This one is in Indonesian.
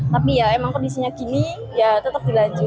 tapi ya emang kondisinya gini ya tetap dilanjut